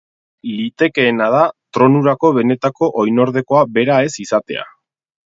Litekeena da tronurako benetako oinordekoa bera ez izatea.